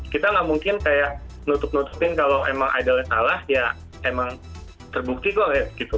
kita nggak mungkin kayak nutup nutupin kalau emang idolnya salah ya emang terbukti kok ya gitu